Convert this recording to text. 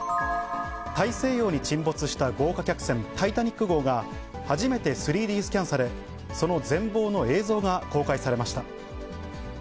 大西洋に沈没した豪華客船、タイタニック号が、初めて３Ｄスキャンされ、その全貌の映像が公開されました。